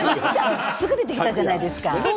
すぐ出てきたじゃないですか。